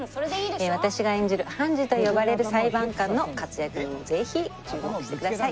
私が演じる判事と呼ばれる裁判官の活躍にもぜひ注目してください。